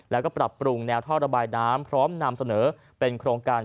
แล้วก็ปรับปรุงแนวท่อระบายน้ำพร้อมนำเสนอเป็นโครงการ